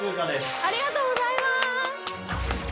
ありがとうございます。